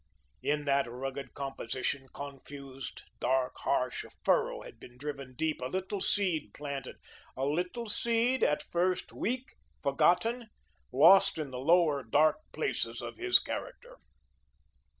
In that rugged composition, confused, dark, harsh, a furrow had been driven deep, a little seed planted, a little seed at first weak, forgotten, lost in the lower dark places of his character.